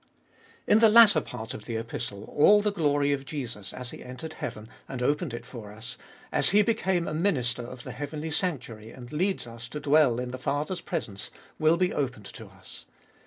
1. In the latter part of the Epistle all the glory of Jesus as He entered heaven, and opened It for us, as He became a minister of the heavenly sanctuary, and leads us to dwell in the Father's presence, will be opened to us.